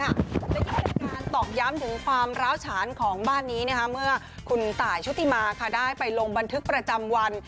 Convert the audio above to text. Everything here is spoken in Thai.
ซึ่งเป็นการตอกย้ำถึงความร้าวฉานของบ้านนี้เมื่อคุณตายชุติมาได้ไปลงบันทึกประจำวัน